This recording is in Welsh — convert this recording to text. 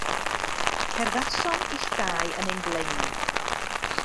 Cerddasom ill dau yn ein blaenau.